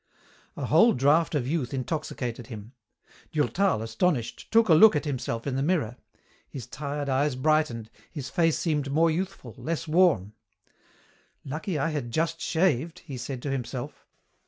A whole draft of youth intoxicated him. Durtal, astonished, took a look at himself in the mirror. His tired eyes brightened, his face seemed more youthful, less worn. "Lucky I had just shaved," he said to himself.